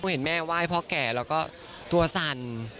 เห็นแม่ไหว้พ่อแก่แล้วก็ตัวสั่น